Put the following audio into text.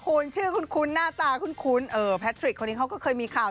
คุณชื่อคุ้นหน้าตาคุ้นแพทริกคนนี้เขาก็เคยมีข่าว